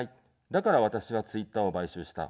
だから、私はツイッターを買収した。